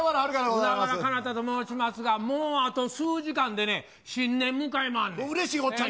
海原かなたと申しますが、もうあと数時間でね、新年迎えまんねん。